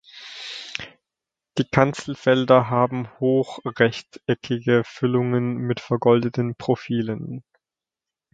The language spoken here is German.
Die Kanzelfelder haben hochrechteckige Füllungen mit vergoldeten Profilen.